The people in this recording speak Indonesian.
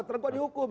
sementara gue dihukum